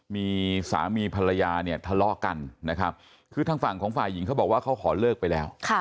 มีสามีภรรยาเนี่ยทะเลาะกันนะครับคือทางฝั่งของฝ่ายหญิงเขาบอกว่าเขาขอเลิกไปแล้ว